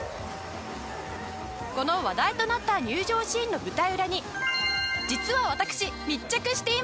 この話題となった入場シーンの舞台裏に実は私密着していました！